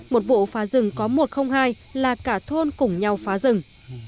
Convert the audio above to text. một bộ phá rừng có một trăm linh hai là cả thôn cùng nhau phá rừng